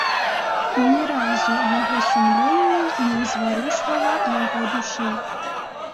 Ні разу яго сумленне не ўзварушвала яго душы.